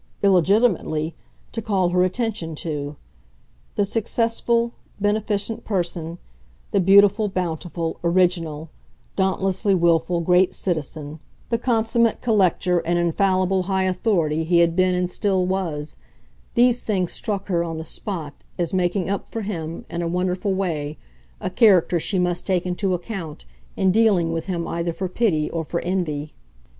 illegitimately, to call her attention to. The "successful," beneficent person, the beautiful, bountiful, original, dauntlessly wilful great citizen, the consummate collector and infallible high authority he had been and still was these things struck her, on the spot, as making up for him, in a wonderful way, a character she must take into account in dealing with him either for pity or for envy.